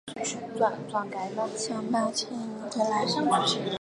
想说再把钱赢回来